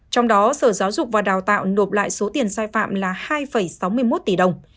trong đó sở giáo dục và đào tạo nộp lại số tiền sai phạm là hai sáu mươi một tỷ đồng